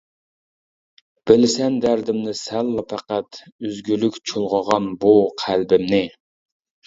بىلىسەن دەردىمنى سەنلا پەقەت، ئۈزگۈلۈك چۇلغىغان بۇ قەلبىمنى.